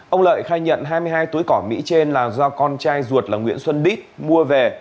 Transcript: ông lợi khai nhận hai mươi hai túi cỏ mỹ trên là do con trai ruột là nguyễn xuân đít mua về